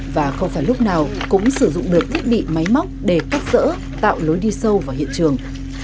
và không phải lúc nào cũng sử dụng được thiết bị máy móc để cắt rỡ tạo lối đi sâu vào hiện trường